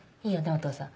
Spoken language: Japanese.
お父さん。